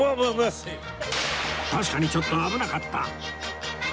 確かにちょっと危なかった！